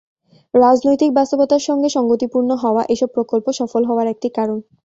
রাজনৈতিক বাস্তবতার সঙ্গে সংগতিপূর্ণ হওয়া এসব প্রকল্প সফল হওয়ার একটি কারণ।